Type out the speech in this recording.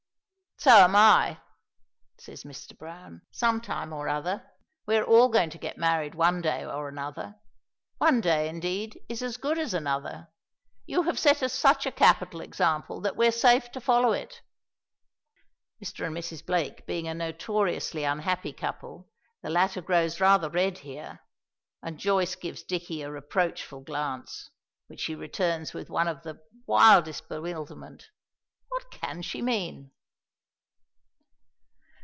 "So am I,"' says Mr. Browne, "some time or other; we are all going to get married one day or another. One day, indeed, is as good as another. You have set us such a capital example that we're safe to follow it." Mr. and Mrs. Blake being a notoriously unhappy couple, the latter grows rather red here; and Joyce gives Dicky a reproachful glance, which he returns with one of the wildest bewilderment. What can she mean?